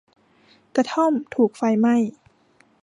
กระท่อมถูกไฟไหม้